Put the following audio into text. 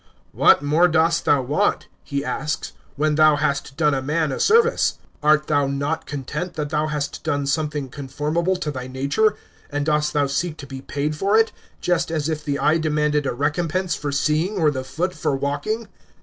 " What more dost thou want," he asks, " when thou hast done a man a service? Art thou not content that thou hast done something conformable to thy nature, and dost thou seek to be paid for it, just as if the eye demanded a recompense for set ing or the feet for walking?"